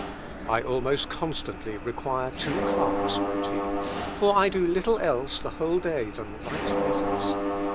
"I almost constantly require two clerks," wrote he; "for I do little else the whole day than write letters.